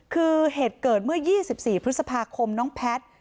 คือเหตุเกิดเมื่อ๒๔พฤษภาคมน้องแพทย์